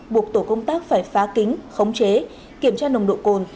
buộc tổ công tác phải phá kính khống chế kiểm tra nồng độ cồn